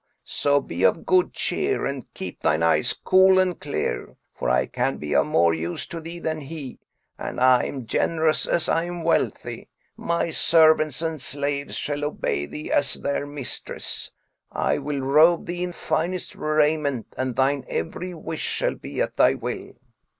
So be of good cheer and keep thine eyes cool and clear; for I can be of more use to thee than he; and I am generous as I am wealthy; my servants and slaves shall obey thee as their mistress; I will robe thee in finest raiment and thine every wish shall be at thy will."